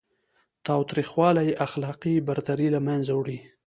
تاوتریخوالی اخلاقي برتري له منځه وړي.